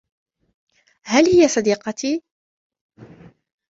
هل هي سديقتي ؟